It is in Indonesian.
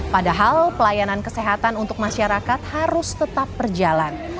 padahal pelayanan kesehatan untuk masyarakat harus tetap berjalan